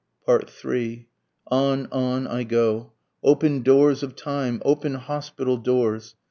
3 On, on I go, (open doors of time! open hospital doors!)